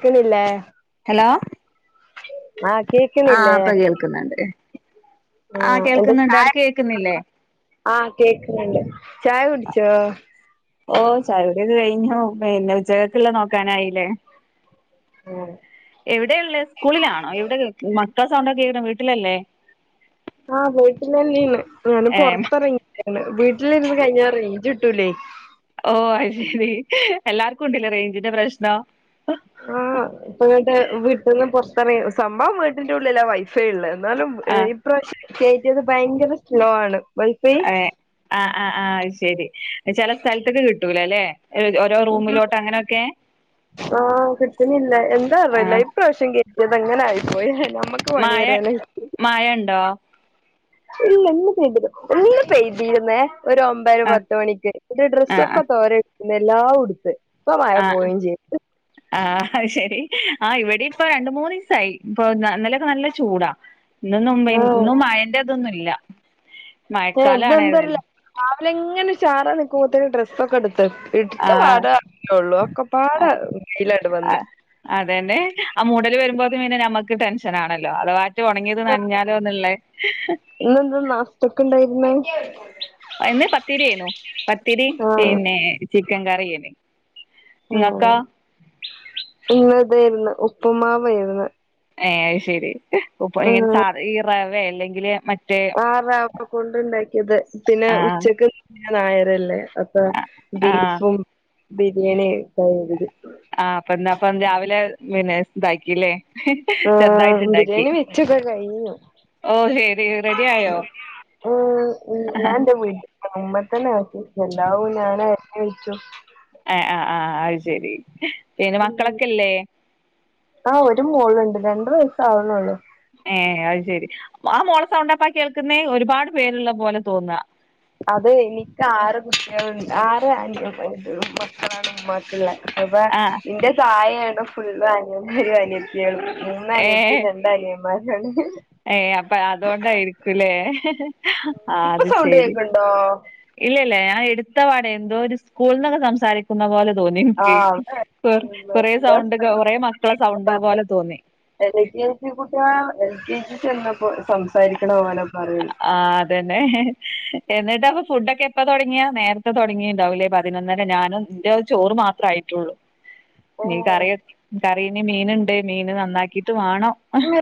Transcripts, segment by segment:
ക്കുന്നില്ലേ hello ആ ആഹ് കേക്കുന്നില്ലേ ഇപ്പൊ കേൾക്കുന്നുണ്ട് ആ ആഹ് എന്താ കേൾക്കുന്നുണ്ട് ചായ അവിടക്ക് കേൾക്കുന്നില്ലേ ആ കേക്കണണ്ട് ചായ കുടിച്ചോ ഓ ചായുടിയൊക്കെ ക കഴിഞ്ഞു പിന്നെ ഉച്ചകക്കുള്ള നോക്കാനായില്ലേ ആഹ് എവിടെയുള്ളെ സ്കൂളിലാണോ എവിടെ എക്‌മ ട്ട്യാളെ സൗണ്ടൊക്കെ കേക്കണ് വീട്ടിലല്ലേ ആ പോയിട്ടില്ലേ ലീവ്ന്ന് ഞാന് ഏ പൊറത്തിറങ്ങിക്കാണ് വീ ള്ളിലിരുന്ന് കഴിഞ്ഞ റേഞ്ച് ട്ടൂലെ ഓ അഹ് ശരി എല്ലാർക്കും ഉണ്ട്ല്ലേ റേഞ്ചിന്റെ പ്രശ്നം ന്തെറിയോ സംഭവം വീട്ടിന്റുള്ളിലാ വൈ ള്ളത് എന്നാലും ഇ ആഹ് ഇപ്രാവശ്യം കേറ്റിയത് ഭയങ്കര സ്ലോ ആണ് വൈഫൈ അയെ ആ ആ ആ അഹ് ശരി ചെല സ്ഥലത്തക്ക് കിട്ടൂലല്ലേ ഒരോ റൂമിലോട്ട് അങ്ങനൊക്കെ ആ കിട്ടുന്നില്ല എന്താറിയില്ല ആഹ് ഇപ്രാവശ്യം കേ അതെങ്ങനെ ആയിപ്പോയ് മഴ മഴ ഉണ്ടോ ഇല്ല ഇന്ന് പെയ്തില്ല ഒന്ന് പെയ്തീർന്നേ ഒരു ഒമ്പര ആഹ് പത്ത് മണിക്ക് ഒരു ആഹ് ഡ്രസ്സൊക്കെ തോരെ നെല്ലാ ഉടുത്ത് ഇപ്പ മഴ ആഹ് പോയി ചെയ്ത് ആഹ് അത് ശെരി ആഹ് ഇവിടെ ഇപ്പൊ രണ്ട മൂന്ന് സായി ഇപ്പൊ ഇന്നലക്കെ നല്ല ചൂടാ ഇന്നൊന്നും ഇന്നും മഴന്റെ തൊന്നും ഇല്ല ഹോ ഇന്ന് മഴക്കാലാണ് ന്തറീല ഏതായാലും അല്ലെങ്ങനെ ഷാറാ ക്കുമ്പോത്തിന് ഡ്രസ്സ ഒക്കെടു ഇടുത്ത ആഹ് പാട ഉള്ളു ഒക്കെ പാട വയിലണ്ട് വന്ന് ആഹ് നമുക്ക് ടെൻഷനാണല്ലോ അത് ഒണങ്ങിയത് നനഞ്ഞാലോ ന്ന് ള്ളേ ഇന്നെന്താ നാസ്തക്ക് [unintelligible] ഇന്ന് പത്തിരിയേനു പത്തിരി പിന്നെ ചിക്കൻ കറിനി ആഹ അഹ് ഇ ഇതായിന്ന് ഉപ്പുമാവായിരുന്ന്. ഏ അത് ശെരി [unintelligible] റ വേ അല്ലെങ്കിൽ മറ്റ് ആറ്പ കൊണ്ടുണ്ടാക്കിയത് പിന്നെ ആഹ് ഉച്ചക്ക് ഞാൻ നായരല്ലേ അപ്പൊ ആഹ് ദീഫും ബിരിയാണി കൈ ഇത് ആഹ അപ്പന്നപ്പം രാവിലെ പിന്നെ ഇതാക്കില്ലേ മ് ആ ചെറുതായിട്ടുണ്ടാക്കി ബിരിയാണി വെച്ചക്കെക്കഴിഞ്ഞു ഓ ശരി റെഡി ആയോ മ് ഞാൻ എന്റെ നമ്മ തന്നെ ആക്കി എല്ലാവും ഞാനഴിഞ് വെച്ചു ആഹ ആ് ആഹ് ആ ശരി പിനമക്കളൊക്കെല്ലേ ആഹ ഒരു മോളുണ്ട് രണ്ട് വയസ് ആവുന്നുള്ളൂ. ഏ അത് ശരി ആ മോള സൗണ്ടപ്പ കേൾക്കുന്നെ ഒരുപാട് പേരുള്ള പോലെ തോന്നുക. അതെ എനിക്ക് ആറ് കുട്ടികളുണ്ട് ആറ് അഞ് പ മക്കളാണ് ഉമ്മാക്കുള്ള അപ്പൊ ആഹ് ഇന്റെ സായി ഇവിടെ ഫുൾ [unintelligible] അനിയത്തിയേളും ഏ ഏ അപ്പൊ അതൊണ്ടായിരിക്കുല്ലേ ഇപ്പൊ സൗണ്ട് കേക്കണ്ടോ.? ഇല്ലല്ല ഞാൻ എടുത്ത പാടെ എന്തോ ഒരു സ്കൂൾന്നൊക്കെ സംസാരിക്കുന്ന പോലെ തോന്നി എനിക്ക്. ആഹ് കൊ കൊറേ സൗണ്ട് കൊറേ മക്കളെ സൗണ്ട് പറഞ്ഞ് പോലെ തോന്നി എൽ കെ ജി കുട്ട്യാ എൽ കെ ജി ചെന്നപ്പോ സംസാരിക്കണ പോലെ പറയും. ആ അതന്നെ എന്നി എന്ത ഫുഡ്ഡൊക്കെ എപ്പ തുടങ്ങിയെ? നേരത്തെ തുടങ്ങിയുണ്ടാവില്ലേ പതിനൊന്നര ഞാനും ഇന്റെ ചോറ് മാത്രേ ആയിട്ടുള്ളൂ. ഇനി ഓഹ് കറി കറീന് മീന്ണ്ട് മീന് നന്ന [inaudible] ന്നാക്കീട്ട് റ്റ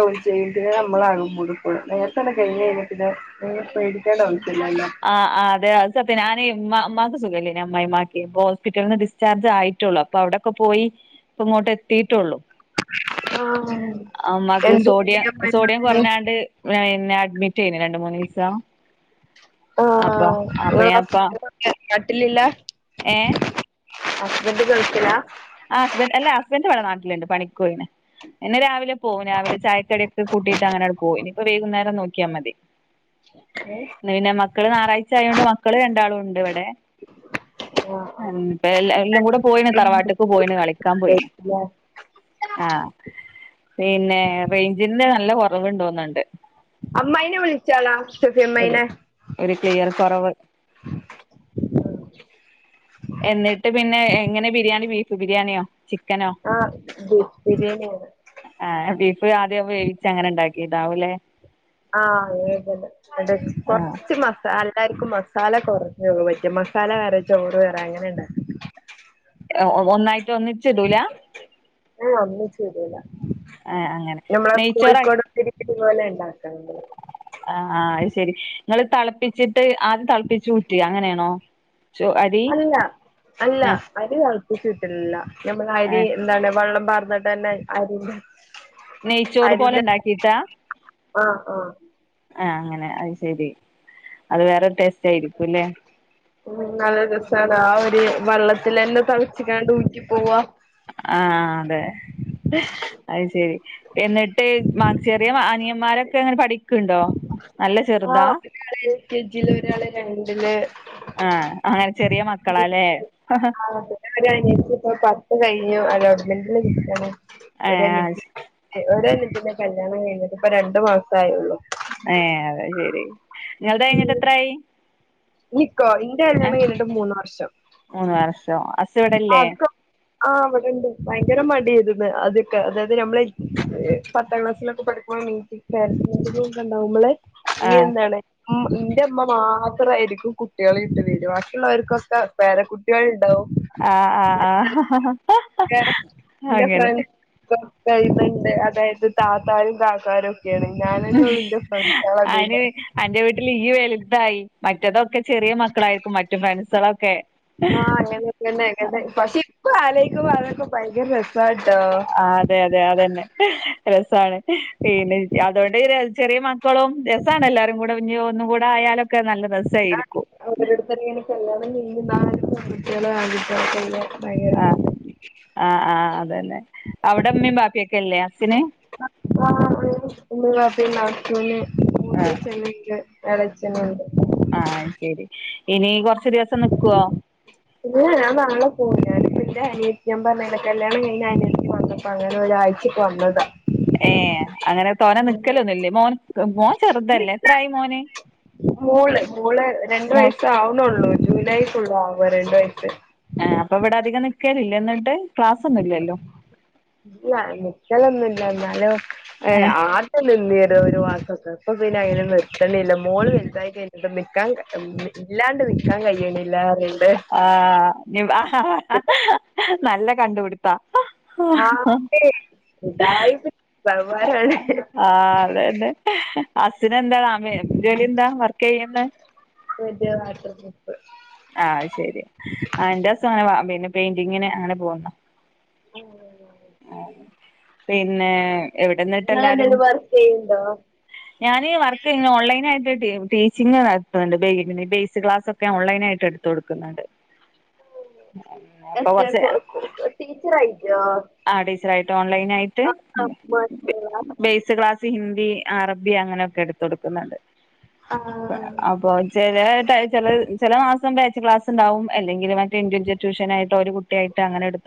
ഓര് ചെയ്ത് അമ്മളാകും [unintelligible] നേരത്തന്നെ കഴിഞ്ഞ് കയിഞ്ഞാ പിന്നെ പേടിക്കേണ്ട വന്നി ആ ആ അതെ അത് ഇപ്പ ഞാനേ ഉമ്മാ ഉമ്മാക്ക് സുഖല്ലേനു, അമ്മായിമ്മാക്കേ. അപ്പോ ഹോസ്പിറ്റലിന്ന് ഡിസ്ചാർജ് ആയിട്ടേള്ളു. അപ്പ അവിടൊക്കെ പോയി ഇപ്പ ഇങ്ങോട്ടെത്തീട്ടേള്ളു. ആഹ് അമ്മാക്ക് എന്ത് സോഡിയം സോഡിയം കുട്ടിയാ കുറഞ്ഞാണ്ട് ഈഹ് ന്നെ അഡ്മിറ്റ് ചെയ്ത് രണ്ട് മൂന്നീസം ആഹ് [inaudible] കട്ടിലില്ല ഏഹ്? ഹസ്ബൻഡ് ഗൾഫിലാ? ആ ഹസ്ബന്റ് അല്ല ഹസ്ബൻഡന്റിവിടെ നാട്ടില്ണ്ട് പണിക്ക് പോയിന്. എന്നും രാവിലെ പോവും. രാവിലെ ചായക്കടിക്കെ കൂട്ടീട്ട് അങ്ങനെയാട് പോയി. ഇനിപ്പ വൈകുന്നേരം നോക്കി ക്കിയാ മതി ഏഹ് ഇന്ന് പിന്നെ മക്കള് ഞായറാഴ്ച ആയോണ്ട് മക്കള് രണ്ടാളും ഉണ്ടിവിടെ. ആഹ് ഇപ്പ എ എല്ലാം കൂടെ പോയിന് തറവാട്ട് പോയിന് കളിക്കാൻ പോയിന്. ആഹ് ആ പിന്നെ റേഞ്ചിന്ന് നല്ല കൊറവ്ണ്ടോന്ന്ണ്ട് അമ്മായിനെ വിളിച്ചാലാ? സെഫി ഒരു അമ്മായിനെ ഒരു ക്ലിയർ കുറവ് എന്നിട്ട് പിന്നെ എങ്ങനെ ബിരിയാണി ബീഫ് ബിരിയാണിയോ ചിക്കനോ ആ ബീഫ് ബിരിയാണിയാണ് ആ ബീഫ് ആദ്യം വേവിച്ച അങ്ങനെണ്ടാക് ഇതാവൂലേ ആഹ് അങ്ങനത്തന്നെ. അതെ ആഹ് കൊറച്ച് മസാല എല്ലാർക്കും മസാല കൊറഞ്ഞത് പറ്റു. മസാല വേറെ ചോറ് വേറെ അങ്ങനെയ്ണ്ടാക്കാ ഏഹ് ഒ ഒന്നായിട് ട്ട് ഒന്നിച്ചിടൂല ഹ ഒന്നിച്ചു ഇടുല്ല ആഹ് അങ്ങനെ നമ്മളെ നെയ്ച്ചോറാ കോഴിക്കോട് ഇതുപോലെ ഉണ്ടാക്കണ്ടത് ആ ആ അത് ശെരി നിങ്ങള്ൾ തിളപ്പിച്ചിട്ട് ആദ്യം തിളപ്പിു ഊറ്റി അങ്ങനെയാണോ ചോ അരി അല്ല അല്ല ആ അരി തി [inaudible] ച്ചിട്ടില്ല നമ്മള ആ അരി എന്താണ് വള്ളം പററന്നിട്ട് തന്നെ ആരുണ്ട് [inaudible] നെയ്ച്ചോറ് പോലെ ഉണ്ടാക്കീട്ടാ ആ ആ ആ അങ്ങനെ അത് ശരി അത് വേറെ ടേസ്റ്റ് ആയിരിക്കുംല്ലേ പി നല്ല ദിവസ ഒരു വള്ള [inaudible] അതില് എന്നെ തളിച്ചിക്കണ്ട് ഊറ്റിപോവാ ആഹ അതെ അത് ശ ശരി എന്നിട്ട് മാ ചെറിയ അനിയന്മാരൊക്കെ അങ്ങനെ പഠിക്കണ്ടോ നല്ല ആ ചെറുതാ എൽകെ ജിൽ ഒരാള് രണ്ടില് ആ അങ്ങനെ ചെറിയ മക്കളാല്ലേ ഞും അലോട്ട്മെന്റ്ണ്ട് കിട്ടാന് ഏ ഒരനിയതി ഒരനി ൻ്റെ പൊ കല്ല്യാണം കഴിഞ്ഞിട്ട് ഇപ്പ രണ്ടു മാസം ആയുള്ളൂ ഏ അതെ ശരി നിങ്ങൾത് കഴിഞ്ഞിട്ട് എത്രായി വി കോ ഇന്റെ ആ കല്ല്യാണം കഴിഞ്ഞിട്ട് മൂന്ന് വർഷം മൂന്ന് വർഷം ഹസ് ഇവിടല്ലേ ആത്കൊ ആ ഇവിടെണ്ട് ഭയങ്കര മടിയായിരുന്ന് ആതിയൊക്കേ അതായത് നമ്മളെ പത്താം ക്ലാസ്സിലൊക്കെ പഠിക്കുമ്പോ മീറ്റിംഗ് ഒക്കെ ഉണ്ടാവുമ്പള് ആ നി എന്താണ് ഉം ന്റെമ്മ മാത്രായിരിക്കും ക്കും കുട്ട്യാളേറ്റ് വരാ ബാക്കിയുള്ളോര്കൊക്കേ പേര കുട്ട്യാൾ ഉണ്ടാവും ആ ആ ആ ഒക്കെ അങ്ങനെ കഴുന്നുണ്ട് അതായത് താത്താരും കാക്കാരും ഒക്കെയാണ് ഞാനന്നെ ഉള്ളു എന്റെ ഫ്രണ്ട്സോള് അതില് അയ്ന് അന്റെ വീട്ടില് ഇയ്യ് വേല തായി മറ്റേ റ്റേതൊക്കെ ചെറിയ മക്കളായിരിക്കും മറ്റും ഫ്രൻസ് സാളൊക്കെ ആഹ് അങ്ങനെ അങ്ങനെ അങ്ങനെ ങ് പക്ഷേ പ്പ ആലോയ്ക്കുമ്പോ അതൊക്കേ ഭയങ്കര രസാ ആ അതെ അതെ അതന്നെ രസാണ് പിന്നെ അതുകൊണ്ട് ങ്ങനെ ചെറിയമ ക്കളും രസാണ് എല്ലാരും കൂടെ ഞ്ഞി ഒ ഒന്നും കൂടെ ആയാലൊ ആ അവരടുത് കല്ല്യാണം കഴിഞ്ഞ് നാല് കൂട്ട്യാള് ആൺ കുട്ട്യാളൊക്കെല്ല്യേ ആ ആ ആ അതന്നെ അവിടെ മ്മിം ബാപ്പിയൊക്കെല്ലേ അസിന് ആ ഉണ്ട് ഉമ്മിം ബാപ്പിം നാത്തൂന് മൂത്തച്ചി [unintelligible] എളച്ചനുണ്ട് ആ അയ്ശരി ഇനി കൊർ ഇല്ല ഞാൻ നാളെ പോകും ഞാന് പ്പെന്റെ അനിയത്തി ഞാൻ പർഞ്ഞീലെ കല്ല്യാണം കയിഞ്ഞ അനത്തി വന്നപ്പോ അങ്ങന ഒരാഴ്ചക്ക് വന്നതാ ഏ അങ്ങനെ തോനെ നിക്കലൊന്നുംല്ലേ മോൻ മോ ചെറുതല്ലേ ഉം എത്രായി മോന് മോള് മോ ജൂലൈകൊള്ളു ആവാ രണ്ട് വയസ്സ് ആ അപ്പൊ ഇവടെ അധികം നിക്കലില്ലേന്നിട്ട് ഇല്ല നിക്കലൊന്നു [unintelligible] ഏഹ് ആട്ടലില്ല്യേ ഒരു മസൊക്കെ ഇപ്പാ പിന്നെ അയിന് നിക്കാണില്ല മോള് വലുതായി കഴിഞ്ഞിട്ട് മി ക്കാൻ ഇല്ലാണ്ട് നി ക്കാൻ കഴിയണില്ല റേ ആഹ്‌ നല്ല കണ്ടുപിടുത്താ ഉഡായിപ്പ് സൗകാരാണ് ആഹ് അതന്നെ ഹസിന് എന്താ നമ് ജോലി എന്താ വർക്ക് ചെയ്യുന്നെ മറ്റേ വാട്ടർ ട്രിപ്പ് ആഹ് ശെരി ആ എന്റെസങ്ങനെ പിന്നെ പെയിന്റിങ്ങിന് അങ്ങനെ പോകുന്നോ ഓ ആ പിന്നെ നിങ്ങളെ എന്തേലും വർക്ക് ചെയ്യ്ണ്ടോ ഞാൻ വർക്ക് ഇ ഓൺലൈൻ ആയിട്ട് ടീച്ചിങ്ങ് നടത്തുന്നുണ്ട് ബേസ് ക്ലാസ്സൊക്കെ ഓൺലൈൻ ആയിട്ട് എടുത്ത കൊടുക്കുന്നുണ്ട് അപ്പൊ കുറച്ച് എത്ര ടീച്ചറായിട്ടോ ആ ടീച്ചറായിട്ട് ഓൺലൈൻ ആയിട്ട് ബേസ് ക്ലാസ് ഹിന്ദി അറബ്യ അങ്ങനെ എടുത്ത കൊടുക്കുന്നുണ്ട് ആഹ് അപ്പൊ ച ച ചില മാസം ക്ലാസ് ഉണ്ടാവും അല്ലെങ്കിൽ മറ്റ് ഇൻഡിവിജ്വൽ ട്യൂഷൻആയിട്ട കുട്ട യിട്ട് അങ്ങനെടു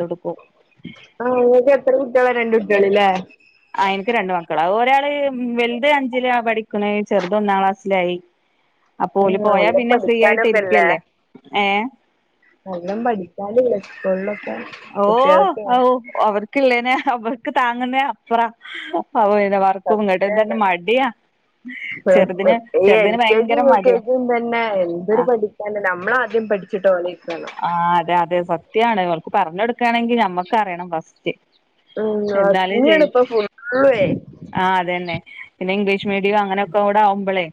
ആ ങ്ങക്ക് എത്ര കുട്ടികള രണ്ട് [unintelligible] ആ എനിക്ക് രണ്ടു മക്കളാ ഒരാൾ വലുത അഞ്ചില പഠിക്കണ ചെറുത് ഒന്നാം ക്ലാസ്സിലായി അ പോല ഉം പോയാ നല്ലോം പിന്നെ ഫ്രീ ആയിട്ട് ഇരിക്കല്ലേ ഏഹ നല്ലം പഠിക്കാനില്ല ഓ ഓ അവർക്കല്ലേന അവർക്ക് താങ്ങുന്നേ അപ്പറാ സത്യാണ് ചെറുതിന് ഇ ഈ എൽ ചെറുതിന് കെ ഭയങ്കര ജിയും യു കെ മടിയാ ജിയും തന്നെ ആ എന്തൊരു പഠിക്കാണ്ട് നമ്മൾ ആദ്യം പഠിച്ചിട്ട് ഓലെ ഇരുത്തണം അവർക്ക് പറഞ്ഞടുക്കാണെങ്കിൽ ഞമ്മക്ക് അറിയണം ഫസ്റ്റ് ഉം എന്നാലും അസ്മിയാണ് ഇപ്പൊ ഫുള്ളുവേ ആ അതന്നെ പിന്നെ ഇംഗ്ലീഷ് മീഡിയം അങ്ങനെ കോട ഒമ്പളെ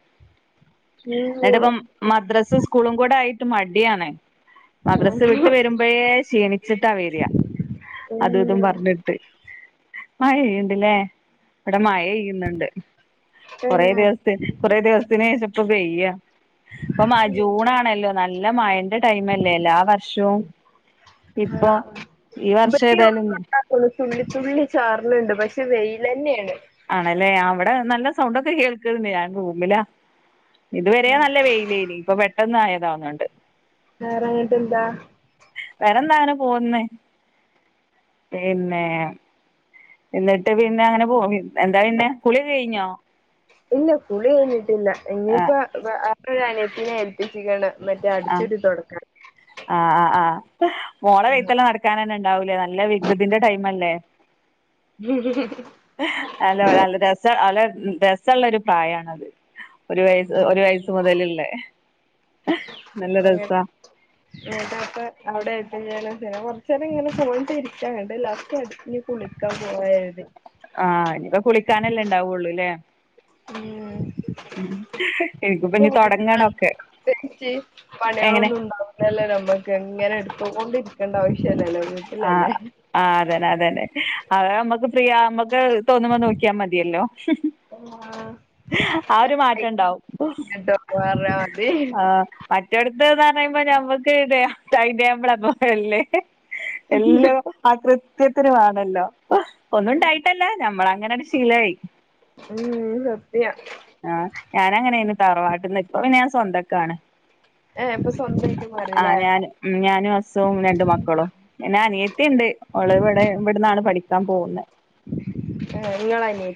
എന്നിട്ട് ഇപ്പം മദ്രസും സ്കൂളും കൂടെ ആയി ട്ട് മടിയാണ് മദ്രസ് വിട്ട് വരുമ്പോ ക്ഷീണിച്ചിട്ടാ വരാ അതും ഇതും പറഞ്ഞിട്ട് മഴെപെയ്യ്ണ്ട് ല്ലേ ഇവിടെ മഴെയ്യുന്നുണ്ട് കുറേ ദിവസത്തി കൊറേ ദിവസത്തിനു ശേഷം പ്പോ പെയ്യാ ഇപ്പം ജൂൺ ആ ണല്ലോ നല്ല ല്ല മഴന്റെ ടൈമല്ലേ എല്ലാ വർഷവും ഇപ്പൊ ഈ വർഷം ഏതായാലും തുള്ളിത്തുള്ളി ചാറിലുണ്ട് പക്ഷെ വെയിൽ തന്നെയാണ് ആണല്ലേ അവിടെ നല്ല സൗണ്ടൊക്കെ കേൾക്ക്ണ്ട് ഞാൻ റൂമിലാ ഇതുവരെ നല്ല വെയിലെയിനി ഇപ്പ പെ പെട്ടൊന്നായതാ തോണ് ഇണ്ട് വേറെങ്ങെട്ട് എന്താ വേറെന്താ അങ്ങനെ പോവ്ന്ന് പിന്നെ എന്നിട്ട് പിന്നെ അങ്ങനെ പോവ് എന്താ പിന്നെ കുളി ഒക്കെ കഴിഞ്ഞോ ഇല്ല കുളി കഴിഞ്ഞിട്ടില്ല ആ ഇഞ്ഞിപ്പം വാ [unintelligible] അനിയത്തിനെ ഏൽപ്പിച്ച്ക്ക്ണ് ആ ആ ആ മോളെ വെയ്ത്തലെ നടക്കാൻ തന്നെ ഉണ്ടാവുംലെ നല്ല വികൃതിന്റെ ടൈമ് അല്ലേ അല്ല നല്ല രസാണ് [unintelligible] രസള്ളൊരു പ്രായാണത് ഒരു വയസ് ഒരു വയസ്സ് മുതലുള്ളേ [unintelligible] ഉം എന്താക്കാ അയുടെ ആയിട്ട് ഞാൻ പിന്നെ കെർച്ചേരം ഇങ്ങനെ [unintelligible] ഇരിക്കാ ഇങ്ങണ്ട് ലാസ്റ്റ് അങ്ങട്ട് കുളിക്കാൻ പോവാ കെര്തി ആ ഇഞ്ഞിപ്പ കുളിക്കാനല്ലേ ഇണ്ടാവൊള്ളുലെ ഉം എനിക്കിപ്പ ഇനി [unintelligible] തുടങ്ങണൊക്കെ പ്രതേകിച്ച് എങ്ങനെ പണെളൊന്നും ഇണ്ടാവുല്ലല്ലോ ഞമ്മക്ക് ഇങ്ങനെ എടുത്തോണ്ട് ഇര് ഇട്ക്കണ്ട ആവശ്യല്ലല്ലോ ആ വീട്ടിലല്ലേ ആ അതെന്നെ അതെന്നെ അതാ അമ്മക്ക് ഫ്രീയാ അമ്മക്ക് തോന്നുമ്പോ നോക്കിയാ മതിയല്ലോ ആ ആ ഒരു മാറ്റം ഇണ്ടാവും കേട്ടോ പറഞ്ഞാ മതി ആ. മറ്റോട്ത്ത്ന്ന് പർണെയ്മ്പോ ഞമ്മക്ക് ഇതെയാ ടൈം ടേബിൾ പോലെ അല്ലേ എല്ലോ ആ കൃ കുത്തിതിരുവാണല്ലോ ഒന്നും ഉണ്ടായിട്ടല്ല ഞമ്മൾ അങ്ങനെ ആണ്ട് ശീലായി ഉം സത്യാ ആ ഞാനങ്ങനെണ് തറവാട്ടിന്ന് ഇപ്പ പിന്നെ ഞാ സ്വന്തക്കാണ് ഏഹ് ഇപ്പൊ സ്വന്തായിട്ട് ആഹ് മാറില്ലേ ഞാന് ഉം ഞാനും ഹസും രണ്ട് മക്കളും പിന്നെ അനിയത്തീണ്ട്. ഓള് ഇവടെ ഇവട്ന്നാണ് പഠി [unintelligible] പോകുന്നെ ആ നിങ്ങളായിനി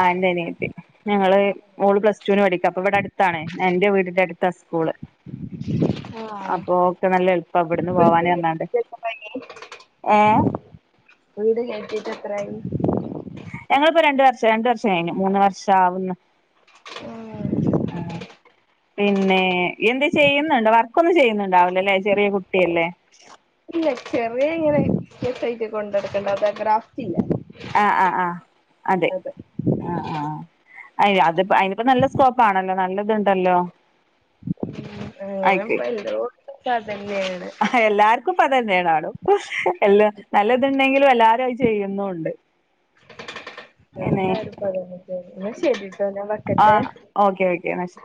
ആ എൻ്റനിയത്തി ഞങ്ങള് മോള് പ്ലസ്റ്റൂന് പഠിക്കാ അപ്പൊ ഇവിടെ അടുത്താണെ. എന്റെ വീടിന്റെ അടുത്താ സ്കൂള് ആഹ് അപ്പൊ ഓക്ക് നല്ല എളുപ്പ ഇവിടുന്ന് വീട് പോവാന്. വന്നാണ്ട് കേറ്റിട്ടെത്രായി ഏ വീട് കേറ്റിട്ട് എത്രായി ഞങ്ങളിപ്പോ രണ്ട് വർഷം രണ്ട് വർഷം കഴിഞ്ഞു മൂന്ന് വർഷ ആവുന്നു ആഹ് പിന്നെ എന്തെ ചെയ്യുന്നുണ്ടൊ വർക്കൊന്നും ചെയ്യുന്നുണ്ടാവില്ലല്ലേ ചെറിയ കുട്ടിയല്ലേ ഇല്ല ചെറിയ ഇങ്ങനെ [unintelligible] കൊണ്ട് നടുക്കണ്ട് അപ്പൊ ആ ഗ്രാഫ്റ്റില്ലെ ആഹ് ആഹ് ആഹ് അതെ അ ആ അയിന് അതിപ്പോ അയിനിപ്പോ നല്ല സ്കോപ്പാണല്ലോ നല്ലതുണ്ടല്ലോ ഞാനെപ്പ ആയിക്ക് എല്ലോ [unintelligible] നല്ലയാണ് പ്പ അതന്നെണാണോ എല്ലാ നല്ലതുണ്ടെങ്കിലും എല്ലാരു അയി ചെയ്യുന്നുവുണ്ട് നല്ലടുപ്പാ അതന്നെ ന്നാ ശരിട്ടോ ഞാൻ ആ വെക്കട്ടെ. ഓക്കെ ഓക്കെ എന്നാ ശരി